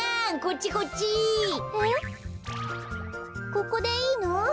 ここでいいの？